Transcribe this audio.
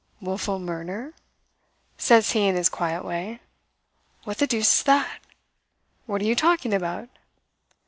"'Wilful murder?' says he in his quiet way. 'What the deuce is that? What are you talking about?